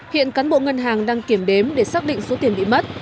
hiện cán bộ ngân hàng đang kiểm đếm để xác định số tiền bị mất